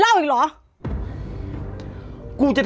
อย่าบอกนะ